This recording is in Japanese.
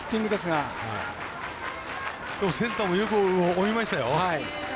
センターも、よく追いましたよ。